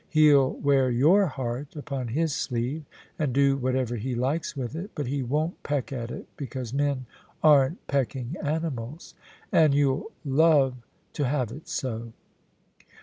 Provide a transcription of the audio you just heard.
He'll wear your heart upon his sleeve, and do what ever he likes with it: but he won't peck at it, because men aren't pecking animals. And you'll love to have it so."